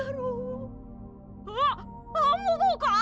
あっアンモ号か！？